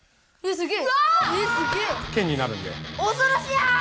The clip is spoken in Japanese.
すげえ！